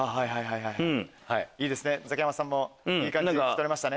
ザキヤマさんもいい感じで聞き取れましたね。